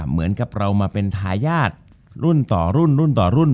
เหมือนกับเรามาเป็นทายาทรุ่นต่อรุ่น